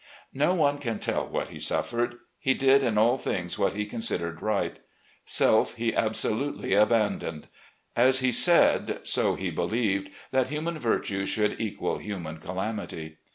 No one can tell what he suffered. He did in all things what he considered right. Self he absolutely abandoned. As he said, so he believed, that "human virtue should equal human calamity."